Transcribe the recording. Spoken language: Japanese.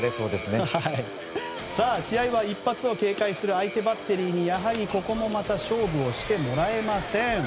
さあ、試合は一発を警戒する相手バッテリーに、ここもまた勝負をしてもらえません。